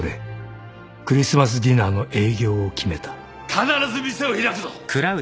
必ず店を開くぞ！